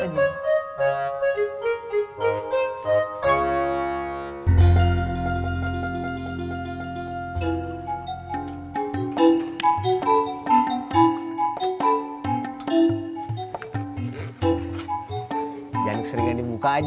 jangan keseringan di muka aja